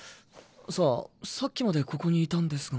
さあさっきまでここにいたんですが。